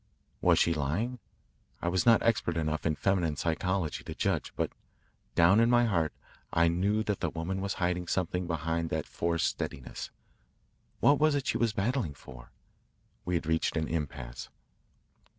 Was she lying? I was not expert enough in feminine psychology to judge, but down in my heart I knew that the woman was hiding something behind that forced steadiness. What was it she was battling for? We had reached an impasse.